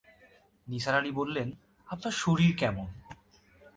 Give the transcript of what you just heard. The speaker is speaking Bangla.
নিসার আলি বললেন, আপনার শরীর কেমন?